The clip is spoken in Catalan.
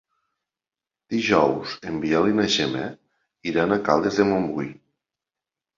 Dijous en Biel i na Gemma iran a Caldes de Montbui.